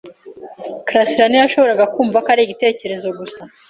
karasira ntiyashoboraga kumva ko atari igitekerezo gusa.